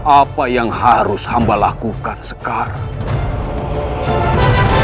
apa yang harus hamba lakukan sekarang